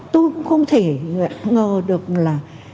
tôi cũng không thể ngờ được là